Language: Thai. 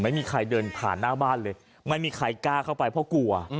ไม่มีใครเดินผ่านหน้าบ้านเลยไม่มีใครกล้าเข้าไปเพราะกลัว